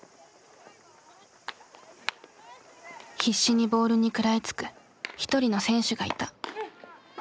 必死にボールに食らいつく一人の選手がいた。